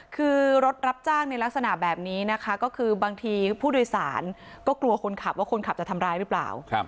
คือรถรับจ้างในลักษณะแบบนี้นะคะก็คือบางทีผู้โดยสารก็กลัวคนขับว่าคนขับจะทำร้ายหรือเปล่า